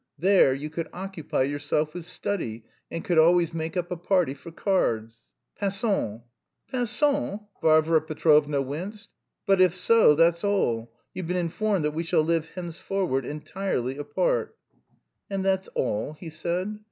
There you could occupy yourself with study, and could always make up a party for cards." "Passons." "Passons?" Varvara Petrovna winced. "But, if so, that's all. You've been informed that we shall live henceforward entirely apart." "And that's all?" he said.